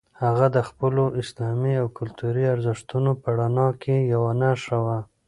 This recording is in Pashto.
هغه د خپلو اسلامي او کلتوري ارزښتونو په رڼا کې یوه نښه وه.